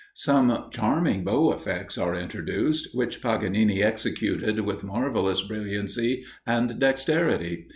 Some charming bow effects are introduced, which Paganini executed with marvellous brilliancy and dexterity.